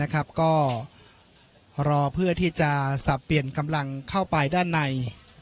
ก็รอเพื่อที่จะสับเปลี่ยนกำลังเข้าไปด้านใน